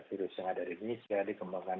virus yang ada di indonesia dikembangkan